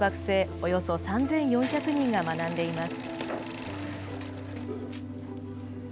およそ３４００人が学んでいます。